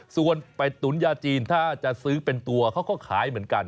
ส่วนเป็ดตุ๋นยาจีนถ้าจะซื้อเป็นตัวเขาก็ขายเหมือนกัน